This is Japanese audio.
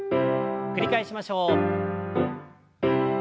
繰り返しましょう。